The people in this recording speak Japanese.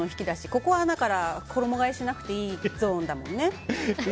ここは衣替えしなくていいゾーンだもんね。